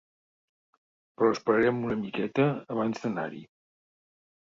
Però esperarem una miqueta abans d'anar-hi.